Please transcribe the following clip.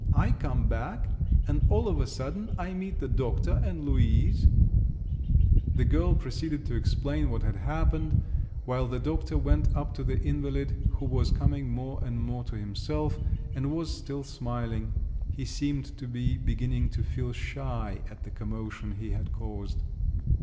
"I come back … and all of a sudden I meet the doctor and Luise …" The girl proceeded to explain what had happened, while the doctor went up to the invalid who was coming more and more to himself, and was still smiling: he seemed to be beginning to feel shy at the commotion he had caused.